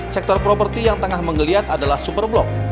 sektor properti yang tengah menggeliat adalah super blok